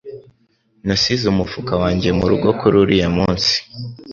Nasize umufuka wanjye murugo kuri uriya munsi.